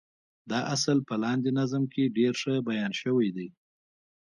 دا اصل په لاندې نظم کې ډېر ښه بيان شوی دی.